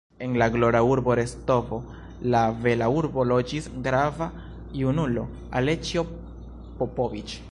En la glora urbo Rostovo, la bela urbo, loĝis brava junulo, Aleĉjo Popoviĉ.